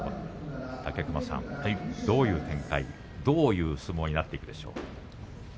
武隈さんどういう展開に、どういう相撲になっていくでしょうか。